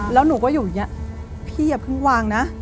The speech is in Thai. แล้วหนูก็อยู่อย่างนี้